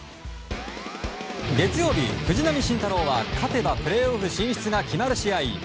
月曜日、藤浪晋太郎は勝てばプレーオフ進出が決まる試合